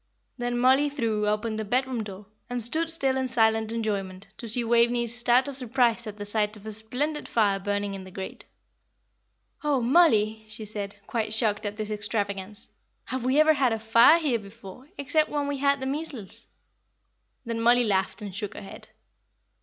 Then Mollie threw open the bedroom door, and stood still in silent enjoyment to see Waveney's start of surprise at the sight of a splendid fire burning in the grate. "Oh, Mollie!" she said, quite shocked at this extravagance, "have we ever had a fire here before, except when we had the measles?" Then Mollie laughed and shook her head.